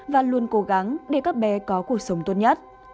và luôn cố gắng để các bé có cuộc sống tốt nhất